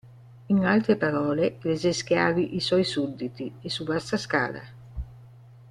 In altre parole, rese schiavi i suoi sudditi, e su vasta scala".